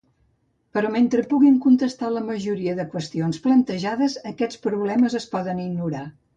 Però, mentre puguin contestar la majoria de qüestions plantejades, aquests problemes es poden ignorar.